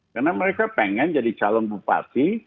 karena mereka pengen jadi calon bupati